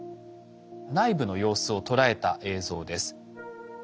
内部の様子を捉えた映像です。